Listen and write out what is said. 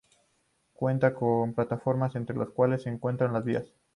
Cuenta con dos plataformas, entre las cuales se encuentran las vías.